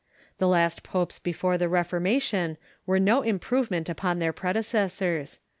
The last popes before the Reformation were no improvement upon their predecessors.